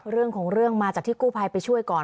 เรื่องของเรื่องมาจากที่กู้ภัยไปช่วยก่อน